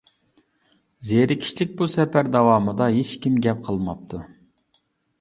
زېرىكىشلىك بۇ سەپەر داۋامىدا ھېچكىم گەپ قىلماپتۇ.